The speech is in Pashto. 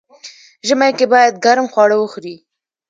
ژمی کی باید ګرم خواړه وخوري.